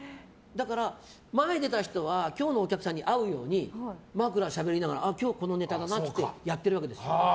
前に出た人は今日のお客さんに合うように枕をしゃべりながら今日はこのネタだなってやってるわけですよ。